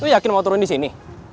aku yakin mau turun di sini